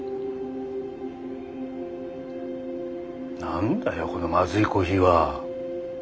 何だよこのまずいコーヒーは！